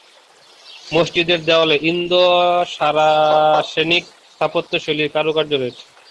মসজিদের দেওয়ালে ইন্দো-সারাসেনিক স্থাপত্যশৈলীর কারুকাজ রয়েছে।